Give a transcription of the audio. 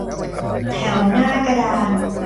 แถวหน้ากระดาน